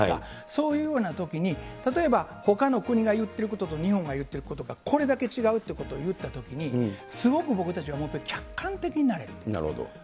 そういうようなときに、例えば、ほかの国が言っていることと日本が言ってることがこれだけ違うっていうことを言ったときに、すごく僕たちはもっと客観的になれる。